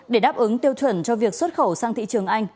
để đáp ứng tiêu chuẩn cho việc xuất khẩu sang thị trường anh